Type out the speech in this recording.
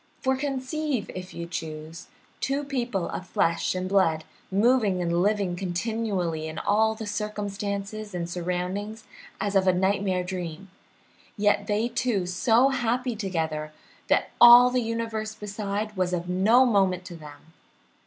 For conceive, if you choose, two people of flesh and blood moving and living continually in all the circumstances and surroundings as of a nightmare dream, yet they two so happy together that all the universe beside was of no moment to them!